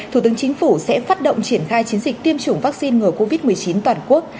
thủ tướng chính phủ sẽ phát động triển khai chiến dịch tiêm chủng vaccine ngừa covid một mươi chín toàn quốc